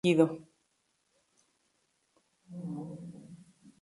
Y ciertamente no una que uno haya elegido.